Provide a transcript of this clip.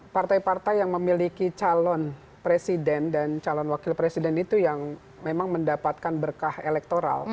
partai partai yang memiliki calon presiden dan calon wakil presiden itu yang memang mendapatkan berkah elektoral